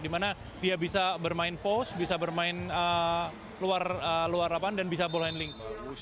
dimana dia bisa bermain post bisa bermain luar luar apaan dan bisa ball handling